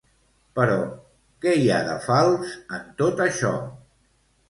Però que hi ha de fals en tot això?